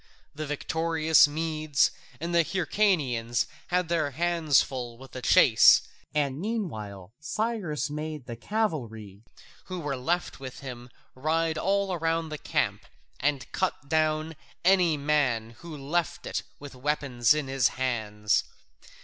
The victorious Medes and the Hyrcanians had their hands full with the chase, and meanwhile Cyrus made the cavalry who were left with him ride all round the camp and cut down any man who left it with weapons in his hands.